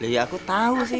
ya aku tahu sih